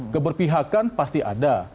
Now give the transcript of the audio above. keberpihakan pasti ada